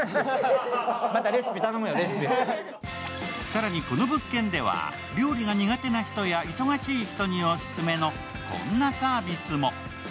更にこの物件では料理が苦手な人や忙しい人にオススメのこんなサービスも。